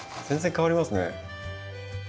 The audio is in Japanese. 全然変わりますね。